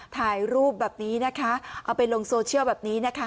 ถ่ายรูปแบบนี้นะคะเอาไปลงโซเชียลแบบนี้นะคะ